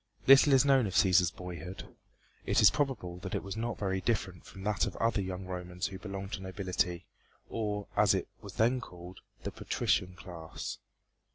Little is known of Cæsar's boyhood. It is probable that it was not very different from that of other young Romans who belonged to the nobility, or, as it was then called, the patrician class.